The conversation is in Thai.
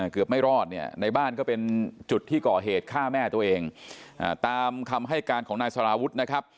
ไม่รอดเนี่ยในบ้านก็เป็นจุดที่ก่อเหตุฆ่าแม่ตัวเองตามคำให้การของนายสารวุฒินะครับ